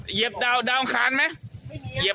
เหยียบดาวน์คานไหม